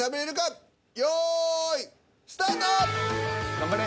頑張れ！